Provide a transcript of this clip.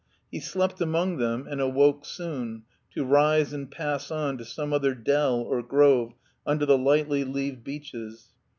He slept among them and awoke soon, to rise and pass on to some other dell or grove under the lightly leaved beeches.